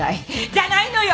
じゃないのよ！